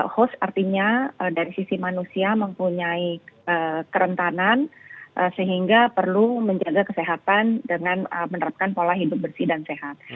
host artinya dari sisi manusia mempunyai kerentanan sehingga perlu menjaga kesehatan dengan menerapkan pola hidup bersih dan sehat